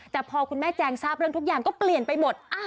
แต่พอคุณแม่แจงทราบเรื่องทุกอย่างก็เปลี่ยนไปหมด